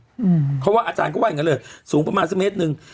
เพราะว่าอาจารย์ก็ว่าอย่างงั้นเลยสูงประมาณสักเมตรหนึ่ง